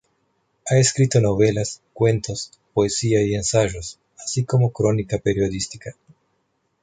Ha escrito novelas, cuentos, poesía y ensayos, así como crónica periodística.